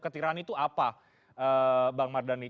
ke tirani itu apa bang mardhani